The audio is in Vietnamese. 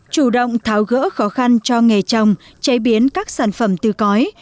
chủ động tháo gỡ khó khăn cho nghề trồng chế biến các sản phẩm từ cõi